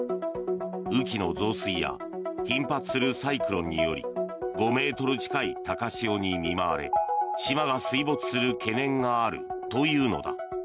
雨期の増水や頻発するサイクロンにより５ｍ近い高潮に見舞われ島が水没する懸念があるというのだ。